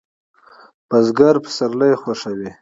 بزګر پسرلی خوښوي